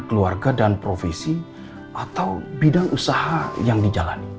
keluarga dan profesi atau bidang usaha yang dijalani